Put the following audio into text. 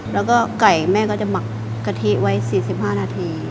แล้วก็ไก่แม่ก็จะหมักกะทิไว้๔๕นาที